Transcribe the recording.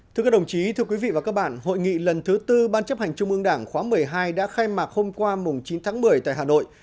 thưa các đồng chí thưa quý vị và các bạn hội nghị lần thứ tư ban chấp hành trung ương đảng khóa một mươi hai đã khai mạc hôm qua chín tháng một mươi tại hà nội